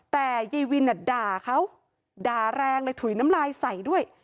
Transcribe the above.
แต่ยายวินด่าเขาด่าแรงเลยถุยน้ำลายใส่ด้วย